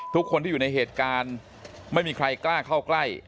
ทุกคนที่อยู่ในเหตุการณ์ไม่มีใครกล้าเข้าใกล้